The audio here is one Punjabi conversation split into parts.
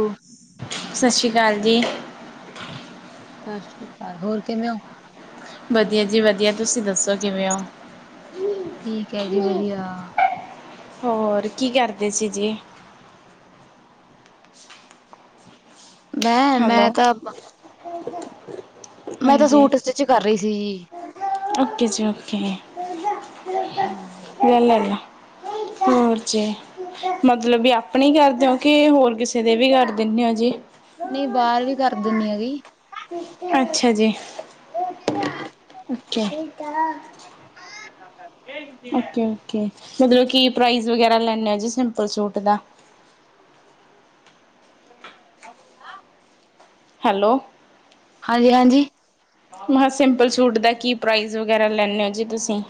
ਸਤਿ ਸਤਿ ਸ਼੍ਰੀ ਅਕਾਲ ਜੀ। ਸਤਿ ਸ੍ਰੀ ਅਕਾਲ ਹੋਰ ਕਿਵੇਂ ਹੋ? ਵਧੀਆ ਜੀ, ਵਧੀਆ ਤੁਸੀਂ ਦੱਸੋ ਕਿਵੇਂ ਹੋ? ਠੀਕ ਹੈ ਜੀ, ਵਧੀਆ। ਹੋਰ, ਕੀ ਕਰਦੇ ਸੀ ਜੀ? ਮੈਂ, ਹੈਲੋ ਮੈਂ ਤਾਂ। ਮੈਂ ਤਾਂ ਹਾਂਜੀ ਸੂਟ ਸਟਿਚ ਕਰ ਰਹੀ ਸੀ ਜੀ। ਓਕੇ ਜੀ, ਓਕੇ ਹਾਂ, ਲੈ ਲੈ ਲੈ। ਹੋਰ ਜੀ, ਮਤਲਬ ਵੀ ਆਪਣੇ ਕਰਦੇ ਓ ਕਿ ਹੋਰ ਕਿਸੇ ਦੇ ਵੀ ਕਰ ਦਿੰਨੇ ਹੋ ਜੀ? ਨਹੀਂ ਬਾਹਰ ਵੀ ਕਰ ਦਿਨੀ ਆ ਗੀ। ਅੱਛਾ ਜੀ ਓਕੇ। ਓਕੇ-ਓਕੇ ਮਤਲਬ ਕੀ ਪ੍ਰਾਈਜ਼ ਵਗੈਰਾ ਲੈਂਦੇ ਹੋ ਜੀ ਸਿੰਪਲ ਸੂਟ ਦਾ [inaudible] ਹੈਲੋ, ਹਾਂਜੀ ਹਾਂਜੀ ਮੈਂ ਸਿੰਪਲ ਸੂਟ ਦਾ ਕੀ? ਪ੍ਰਾਈਜ਼ ਵਗੈਰਾ ਲੈਂਨੇ ਹੋ ਜੀ ਤੁਸੀਂ।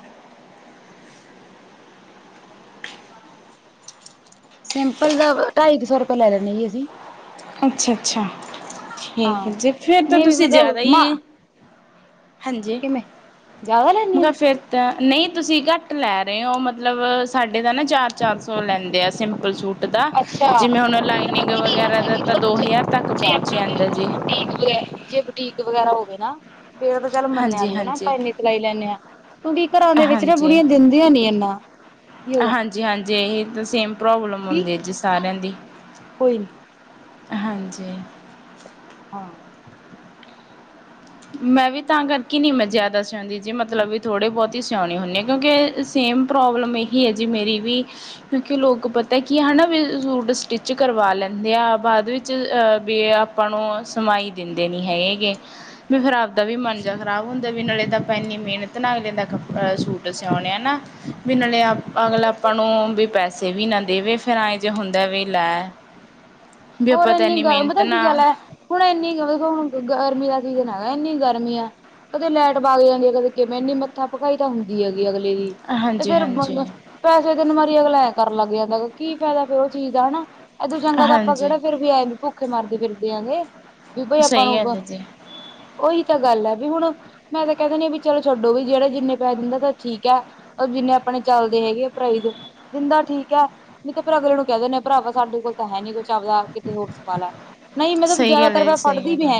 ਸਿੰਪਲ ਦਾ ਢਾਈ ਕ ਸੌ ਰੁਪਈਆ ਲੈ ਲੈਨੇ ਆ ਜੀ ਅਸੀਂ। ਅੱਛਾ-ਅੱਛਾ ਠੀਕ ਹਾਂ। ਹੈ ਜੀ ਫੇਰ ਤਾਂ ਨਹੀਂ ਵੀ ਤੁਸੀਂ ਮਤਲਬ ਜ਼ਿਆਦਾ ਮਾ ਹੀ। ਹਾਂਜੀ ਕਿਵੇਂ ਜ਼ਿਆਦਾ ਲੈਂਦੀ ਆ ਮੈ ਮੈਂ। ਫਿਰ ਤਾਂ। ਨਹੀਂ ਤੁਸੀਂ ਘੱਟ ਲੈ ਰਹੇ ਹੋ ।ਮਤਲਬ ਸਾਡੇ ਤਾਂ ਨਾ ਚਾਰ-ਚਾਰ ਸੌ ਲੈਂਦੇ ਆ। ਸਿੰਪਲ ਸੂਟ ਦਾ ਅੱਛਾ ਜਿਵੇਂ ਹੁਣ ਫਿਰ ਲਾਈਨਿੰਗ ਪਤਾ ਕੀ ਗੱਲ ਵਗੈਰਾ ਦਾ। ਹੈਗੀ ਤਾਂ ਦੋ ਹਜ਼ਾਰ ਤੱਕ ਮਤਲਬ ਜੇ ਪਹੁੰਚ ਆਪਣਾ ਕੋਈ, ਜਾਂਦਾ ਬਟ ਜੀ ਬਟੀਕ ਜੇ ਬੁਟੀਕ ਵਗੈਰਾ ਹੋਵੇ ਨਾ। ਫੇਰ ਤਾਂ ਚਲ ਮੰਨਿਆ ਹਾਂਜੀ ਵੀ ਹੈ ਨਾ ਹਾਂਜੀ ।ਆਪਾਂ ਇੰਨੀ ਸਿਲਾਈ ਲੈਂਨੇ ਹਾਂ। ਕਿਉਂਕਿ ਘਰਾਂ ਦੇ ਵਿੱਚ ਨਾ ਬੁੜੀਆਂ ਦਿੰਦੀਆਂ ਨੀ ਇਨਾਂ। ਹਾਂਜੀ-ਹਾਂਜੀ ਇਹੀ ਤਾਂ ਸੇਮ ਪ੍ਰੋਬਲਮ ਕੀ ਹੁੰਦੀ ਹੈ ਜੀ ਸਾਰਿਆਂ ਦੀ। ਕੋਈ ਨਹੀਂ। ਹਾਂਜੀ। ਹਾਂ। ਮੈਂ ਵੀ ਤਾਂ ਕਰਦੀ। ਕਿ ਨਹੀਂ ਮੈਂ ਜ਼ਿਆਦਾ ਸਿਉਂਦੀ ਜੀ, ਮਤਲਬ ਵੀ ਥੋੜੇ ਬਹੁਤ ਹੀ ਸਿਆਉਣੀ ਹੁੰਦੀ ਹਾਂ ।ਕਿਉਂਕਿ ਸੇਮ ਪ੍ਰੋਬਲਮ ਇਹੀ ਹੈ ਜੀ। ਮੇਰੀ ਵੀ ਕਿਉਂਕਿ ਲੋਕ ਪਤਾ ਕੀ ਹੈਨਾ ਵੀ ਸੂਟ ਸਟਿਚ ਕਰਵਾ ਲੈਂਦੇ ਆ। ਬਾਅਦ ਵਿੱਚ ਵੀ ਆਪਾਂ ਨੂੰ ਸਮਾਈ ਦਿੰਦੇ ਨਹੀਂ ਹੈਗੇ ਗੇ। ਫਿਰ ਆਪ ਦਾ ਵੀ ਮਨ ਜਿਹਾ ਖਰਾਬ ਹੁੰਦਾ ਵੀ ਨਾਲੇ ਤਾਂ ਆਪਾਂ ਏਨੀ ਮਿਹਨਤ ਨਾਲ ਲੈਂਦਾ ਦਾ ਕੰਮ। ਅਹ ਸੂਟ ਸਿਆਉਣੇ ਆ ਨਾ, ਵੀ ਨਾਲੇ ਅਗਲਾ ਆਪਾਂ ਨੂੰ ਵੀ ਪੈਸੇ। ਪੈਸੇ ਵੀ ਨਾ ਦੇਵੇ ਫਿਰ ਐ ਜੇ ਹੁੰਦਾ ਵੀ ਲੈ। ਵੀ ਹੋਰ ਆਪਾਂ ਤਾਂ ਇੰਨੀ ਗਲ ਮਿਹਨਤ ਮਤਲਬ ਕੀ ਨਾ ਗੱਲ ਹੈ ਹੁਣ ਇੰਨੀ ਹੁਣ ਇਨੀ ਦੇਖੋ ਗਰਮੀ ਦਾ। [unintelligible] ਇੰਨੀ ਗਰਮੀ ਆ ਕਦੇ ਲਾਈਟ ਬੱਗ ਜਾਂਦੀ ਹੈ ਕਦੇ ਕਿਵੇਂ ਇੰਨੀ ਮੱਥਾ ਭਕਾਈ ਤਾਂ ਹੁੰਦੀ ਹੈ। ਅਗਲੇ ਦੀ ਤੇ ਹਾਂਜੀ ਫੇਰ ਹਾਂਜੀ ਪੈਸੇ ਦਿਨ। ਲੈ ਕਰ ਲੱਗ ਜਾਂਦਾ ਕੀ ਫਾਇਦਾ ਫੇਰ ਉਹ ਚੀਜ਼ ਆ ਹਨਾ ਇਦੋਂ ਚੰਗਾ ਤਾਂ। ਆਪਾਂ ਹਾਂਜੀ ਕਿਹੜਾ ਫੇਰ ਵੀ ਆਏ ਵੀ ਭੁੱਖੇ ਮਾਰਦੇ ਫਿਰਦੇ ਆ ਗੇ ਵੀ ਬਾਈ ਆਪਾਂ ਸਹੀ ਗੱਲ ਨੂੰ ਹੈ ਜੀ ਉਹੀ ਤਾਂ ਗੱਲ ਹੈ ਵੀ ਹੁਣ ਮੈਂ ਤਾਂ ਕਹਿ ਦੀਨੀ ਆ ਵੀ ਚਲੋ ਛੱਡੋ ਵੀ ਜਿਹੜਾ ਜਿੰਨੇ ਪੈਸ ਦਿੰਦਾ ਤਾਂ ਠੀਕ ਹੈ ਪਰ ਜਿੰਨੇ ਆਪਣੇ ਚੱਲਦੇ ਹੈਗੇ ਪ੍ਰਾਈਜ਼ ਦਿੰਦਾ ਠੀਕ ਹੈ ਨੀ ਤੇ ਫਿਰ ਅਗਲੇ ਨੂੰ ਕਹਿ ਦਿੰਦੇ ਭਰਾਵਾ ਸਾਡੇ ਕੋਲ ਤਾਂ ਹੈ ਨੀ ਕੁੱਛ ਚ ਆਪਦਾ ਕਿਤੇ ਹੋਰ ਸਵਾਲ ਏ ਨਹੀਂ ਮਤਲਬ ਸਹੀ ਗੱਲ ਜਿਆਦਾਤਰ ਹੈ ਜੀ, ਮੈਂ ਸਹੀ ਫੜਦੀ ਗੱਲ ਵੀ ਹੈ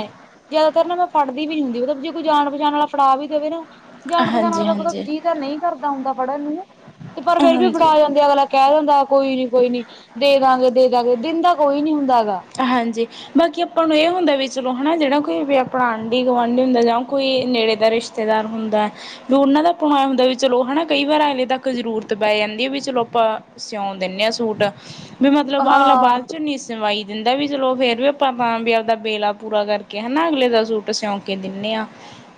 ਜਿਆਦਾਤਰ ਨਾ ਮੈਂ [inaudible] ਫੜਦੀ ਵੀ ਨੀ ਹੁੰਦੀ ਮਤਲਬ ਜੇ ਕੋਈ ਜਾਣ ਪਛਾਣ ਵਾਲਾ ਫੜਾ ਵੀ ਦੇਵੇ ਨਾ ਜਾਣ ਪਛਾਣ ਹਾਂਜੀ, ਵਾਲ ਤਾਂ ਮਤਲਬ ਹਾਂਜੀ, ਜੀਅ ਤਾਂ ਨਹੀਂ ਕਰਦਾ ਹੁੰਦਾ ਪੜ੍ਹਨ ਨੂੰ ਤੇ ਪਰ ਫੇਰ ਵੀ ਹਾਂਜੀ। ਫੜਾ ਜਾਂਦੇ ਅਗਲਾ ਕਹਿ ਦਿੰਦਾ ਕੋਈ ਨੀ ਕੋਈ ਨੀ ਦੇ ਦਾਂਗੇ ਦੇ ਦਾਂਗੇ ਦਿੰਦਾ ਕੋਈ ਨੀ ਹੁੰਦਾ ਗਾ ਹਾਂਜੀ ਬਾਕੀ ਆਪਾਂ ਨੂੰ ਇਹ ਹੁੰਦਾ ਵੀ ਚਲੋ ਹੈ ਨਾ ਜਿਹੜਾ ਕੋਈ ਵੀ ਆਪਣਾ ਆਂਢੀ ਗੁਆਂਢੀ ਹੁੰਦਾ ਜਾਂ ਕੋਈ ਨੇੜੇ ਦਾ ਰਿਸ਼ਤੇਦਾਰ ਹੁੰਦਾ ਵੀ ਉਹਨਾਂ ਦਾ ਆਪਾਂ ਨੂੰ ਹੁੰਦਾ ਵੀ ਚਲੋ ਹਨਾ ਕਈ ਵਾਰ ਹਲੇ ਤੱਕ ਜ਼ਰੂਰਤ ਪੈ ਜਾਂਦੀ ਹੈ ਵੀ ਚਲੋ ਆਪਾਂ ਸਿਆਉਣ ਦਿੰਨੇ ਆ ਸੂਟ ਵੀ ਮਤਲਬ ਅਗਲਾ ਹਾਂ ਬਾਅਦ 'ਚ ਨਹੀਂ ਸੀਵਾਈ ਦਿੰਦਾ ਵੀ ਚਲੋ ਫੇਰ ਵੀ ਆਪਾਂ ਤਾਂ ਵੀ ਆਪਦਾ ਵੇਲਾ ਪੂਰਾ ਕਰਕੇ ਹਨਾ ਅਗਲੇ ਦਾ ਸੂਟ ਸਿਉਂਕੇ ਦਿੰਨੇ ਆ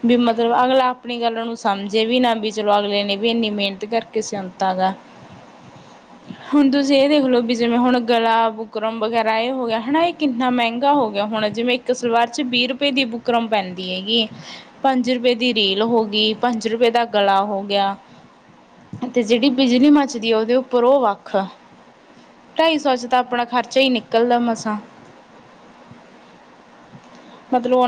ਵੀ ਮਤਲਬ ਅਗਲਾ ਆਪਣੀ ਗੱਲ ਨੂੰ ਸਮਝੇ ਵੀ ਨਾ ਵੀ ਚਲੋ ਅਗਲੇ ਨੇ ਵੀ ਇੰਨੀ ਮਿਹਨਤ ਕਰਕੇ ਸਿਉਂਤਾ ਹੁਨ ਤੁਸੀਂ ਇਹ ਦੇਖਲੋ ਵੀ ਜਿਵੇਂ ਹੁਣ ਗਲਾ ਬੁਕਰਮ ਵਗੈਰਾ ਕਿਰਾਏ ਹੋ ਗਿਆ ਹਨਾ ਇਹ ਕਿੰਨਾ ਮਹਿੰਗਾ ਹੋ ਗਿਆ ਹੁਨ ਜਿਵੇਂ ਇੱਕ ਸਲਵਾਰ ਚ ਵੀਹ ਰੁਪਏ ਦੀ ਬੁਕਰਮ ਪੈਂਦੀ ਹੈਗੀ ਏ ਪੰਜ ਰੁਪਏ ਦੀ ਰੀਲ ਹੋ ਗਈ ਪੰਜ ਰੁਪਏ ਦਾ ਗਲਾ ਹੋ ਗਿਆ ਤੇ ਜਿਹੜੀ ਬਿਜਲੀ ਮਚਦੀ ਏ ਉਹਦੇ ਉੱਪਰ ਉਹ ਵੱਖ ਆ ਢਾਈ ਸੌ ਚ ਤਾਂ ਆਪਣਾ ਖਰਚਾ ਈ ਨਿ ਇਕਲ ਦਾ ਮਸਾਂ ਮਤਲਬ [inaudible]